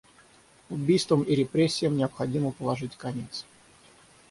Убийствам и репрессиям необходимо положить конец.